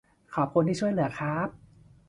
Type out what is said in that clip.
ขอบคุณที่ช่วยเหลือครับ